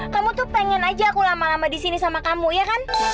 kamu tuh pengen aja aku lama lama di sini sama kamu ya kan